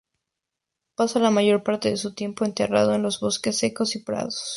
Pasa la mayor parte de su tiempo enterrado en los bosques secos y prados.